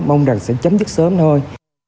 mong rằng sẽ chấm dứt sớm thôi